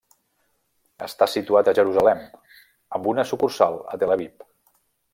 Està situat a Jerusalem, amb una sucursal a Tel Aviv.